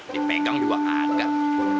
dipegang juga agak